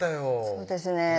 そうですね